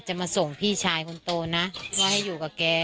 มาส่งพี่ชายคนโตนะว่าให้อยู่กับแก